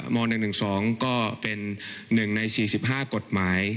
ม๑๑๒ก็เป็น๑ใน๔๕กฎหมาย